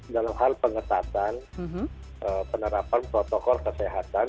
dalam hal pengetatan penerapan protokol kesehatan